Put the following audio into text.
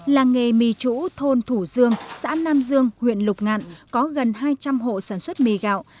làng nghề mì chủ thôn thủ dương xã nam dương huyện lục ngạn có gần hai trăm linh hộ sản xuất mì gạo